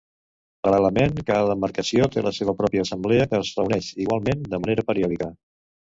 Paral·lelament, cada demarcació té la seva pròpia assemblea que es reuneix, igualment, de manera periòdica.